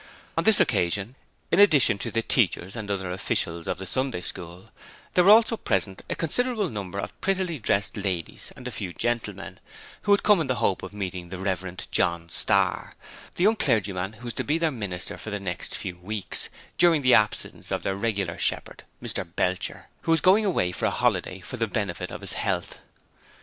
On this occasion, in addition to the teachers and other officials of the Sunday School, there were also present a considerable number of prettily dressed ladies and a few gentlemen, who had come in the hope of meeting the Rev. John Starr, the young clergyman who was going to be their minister for the next few weeks during the absence of their regular shepherd, Mr Belcher, who was going away for a holiday for the benefit of his health.